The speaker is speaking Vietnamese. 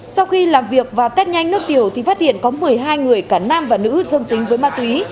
sau khi làm việc và test nhanh nước tiểu thì phát hiện có một mươi hai người cả nam và nữ dương tính với ma túy